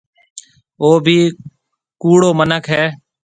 او ڀِي ڪُوڙو مِنک هيَ۔